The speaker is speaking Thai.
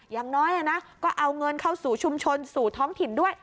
อย่างน้อยก็เอาเงินเข้าสู่ชุมชนสู่ท้องถิ่นด้วย